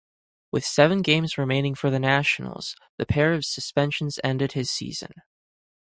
With seven games remaining for the Nationals, the pair of suspensions ended his season.